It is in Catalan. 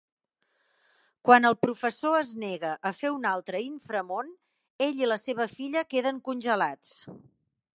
Quan el professor es nega a fer un altre Inframón, ell i la seva filla queden congelats.